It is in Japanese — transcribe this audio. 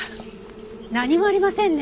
何もありませんね。